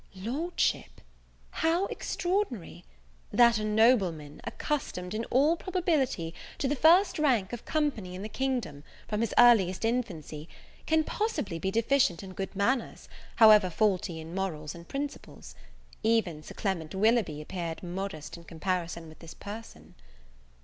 Lordship! how extraordinary! that a nobleman, accustomed, in all probability, to the first rank of company in the kingdom, from his earliest infancy, can possibly be deficient in good manners, however faulty in morals and principles! Even Sir Clement Willoughby appeared modest in comparison with this person.